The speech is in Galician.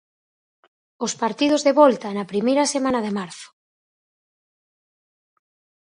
Os partidos de volta na primeira semana de marzo.